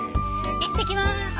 いってきまーす！